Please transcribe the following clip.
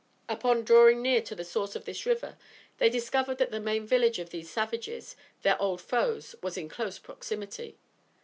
Upon drawing near to the source of this river, they discovered that the main village of these savages, their old foes, was in close proximity.